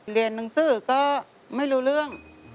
เรียนหนังสือก็ไม่รู้เรื่อง